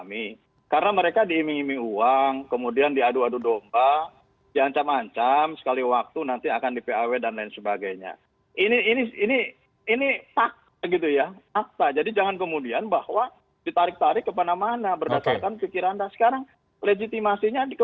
merebut elit elit kunci apakah itu kemudian menjadi fokus juga di kepala muldoko